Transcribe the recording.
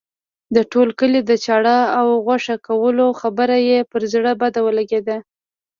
د ټول کلي د چاړه او غوښه کولو خبره یې پر زړه بد ولګېده.